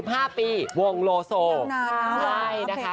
ยังนานน่ะมันเผ็ดครบรอบเลยหรอคะใช่นะคะ